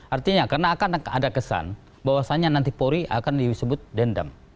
artinya karena akan ada kesan bahwasannya nanti polri akan disebut dendam